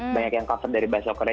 banyak yang cover dari bahasa korea